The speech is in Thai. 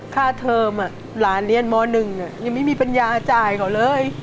เทอมหลานเรียนม๑ยังไม่มีปัญญาจ่ายเขาเลย